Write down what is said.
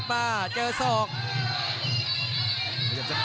กำปั้นขวาสายวัดระยะไปเรื่อย